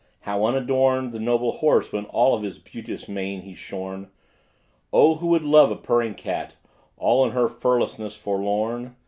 How unadorned the noble horse, when of his beauteous mane he's shorn! O! who would love a purring cat, all in her furlessness forlorn.